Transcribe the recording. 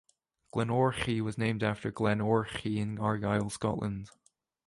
Glenorchy was named after Glen Orchy in Argyll, Scotland.